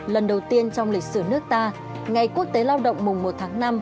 lần đầu tiên trong lịch sử nước ta ngày quốc tế lao động mùng một tháng năm